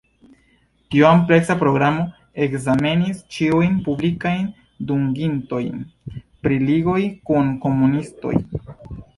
Tiu ampleksa programo ekzamenis ĉiujn publikajn dungitojn pri ligoj kun komunistoj.